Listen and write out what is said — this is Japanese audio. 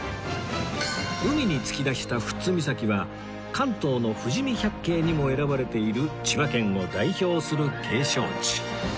海に突き出した富津岬は関東の富士見百景にも選ばれている千葉県を代表する景勝地